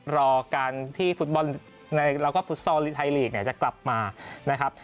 รอการที่ฟุตบอลและฟุตซอลไทยลีกจะกลับมานะครับ